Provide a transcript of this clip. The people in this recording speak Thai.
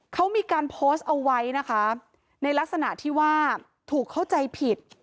เขามีการโพสต์เอาไว้นะคะในลักษณะที่ว่าถูกเข้าใจผิด